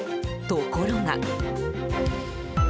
ところが。